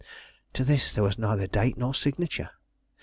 To this there was neither date nor signature.